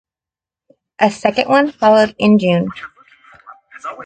A second one followed in June.